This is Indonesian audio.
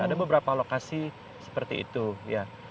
ada beberapa lokasi seperti itu ya